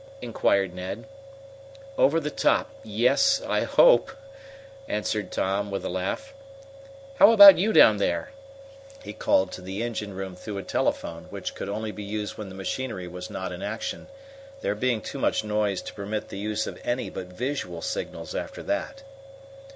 inquired Ned. "Over the top yes, I hope," answered Tom, with a laugh. "How about you down there?" he called to the engine room through a telephone which could only be used when the machinery was not in action, there being too much noise to permit the use of any but visual signals after that.